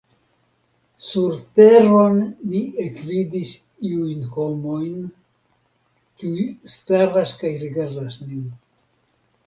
Surteron ni ekvidis iujn homojn, kiuj staras kaj rigardas nin.